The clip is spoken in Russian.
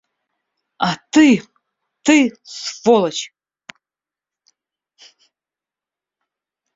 А ты… ты – сволочь!